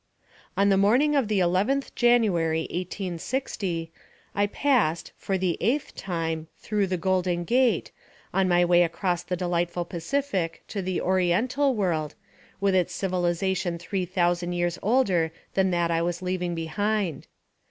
On the morning of the 11th January, 1860, I passed, for the eighth time, through the Golden Gate, on my way across the delightful Pacific to the Oriental world, with its civilization three thousand years older than that I was leaving behind.